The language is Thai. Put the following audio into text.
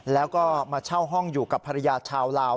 แล้วก็มาเช่าห้องอยู่กับภรรยาชาวลาว